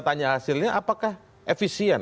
tanya hasilnya apakah efisien